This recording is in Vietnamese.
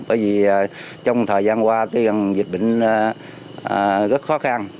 bởi vì trong thời gian qua dịch bệnh rất khó khăn